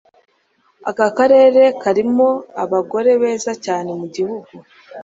Aka karere karimo abagore beza cyane mugihugu